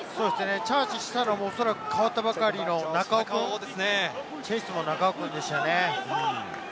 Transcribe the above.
チャージしたのもおそらく代わったばかりの中尾君でしたね。